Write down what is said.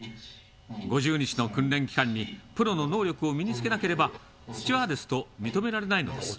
５０日の訓練期間にプロの能力を身につけなければスチュワーデスと認められないのです。